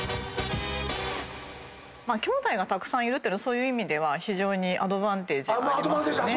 きょうだいがたくさんいるってそういう意味では非常にアドバンテージがありますよね。